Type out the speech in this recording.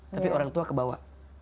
tapi orang tua kebawa